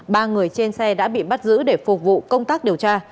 ba người trên xe đã bị bắt giữ để phục vụ công tác điều tra